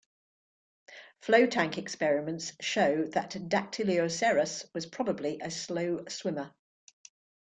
Flow tank experiments show that "Dactylioceras" was probably a slow swimmer.